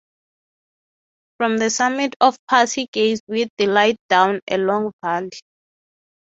From the summit of a pass he gazed with delight down a long valley.